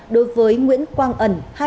đối với nguyễn quang ẩn